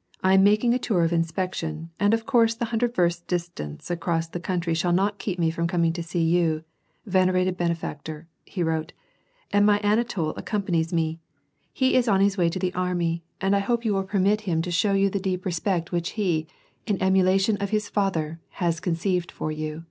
" I am making a tour of ins|K?(*tion, and of course the hundred versts distance acros. . the country shall not keep me from coming to see you, ven erated benefactor," he wrote, " and my Anatol accompanies me; he is on his way to the army, and I hope you will permit VOL, I.— i7. 258 n^AJi AND PEACE, him to show jou the deep respect which he, in emulation of hii father, haa conceived for jou."